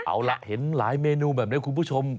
เอาล่ะเห็นหลายเมนูแบบนี้คุณผู้ชม